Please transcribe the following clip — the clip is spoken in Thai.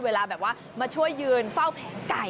เวลามาช่วยยืนเฝ้าแผงไก่